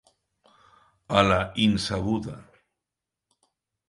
A la insabuda.